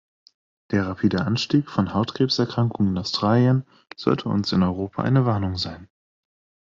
Der rapide Anstieg von Hautkrebserkrankungen in Australien sollte uns in Europa eine Warnung sein.